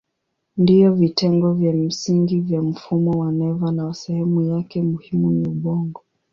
Ndiyo vitengo vya msingi vya mfumo wa neva na sehemu yake muhimu ni ubongo.